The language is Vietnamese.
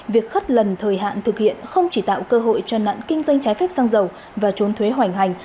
việc khất lần thời hạn thực hiện không chỉ tạo cơ hội cho nạn kinh doanh trái phép xăng dầu và trốn thuế hoành hành